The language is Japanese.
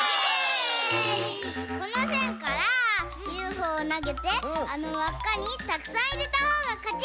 このせんからＵＦＯをなげてあのわっかにたくさんいれたほうがかち。